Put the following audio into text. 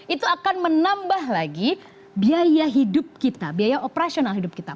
itu akan menambah lagi biaya hidup kita biaya operasional hidup kita